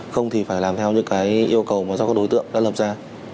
không thì phải làm theo những cái yêu cầu mà do các đối tượng đã lập ra